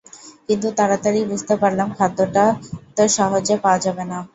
কিন্তু তাড়াতাড়িই বুঝতে পারলাম খাদ্যটা ত্তত সহজে পাওয়া যাবে না।